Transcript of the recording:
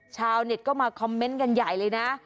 ชาวเน็ตก็มาคอมเมนต์กันใหญ่เลยนะ